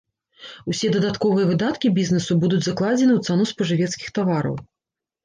Усе дадатковыя выдаткі бізнесу будуць закладзены ў цану спажывецкіх тавараў.